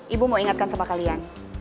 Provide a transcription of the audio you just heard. ibu mau ingatkan sama kalian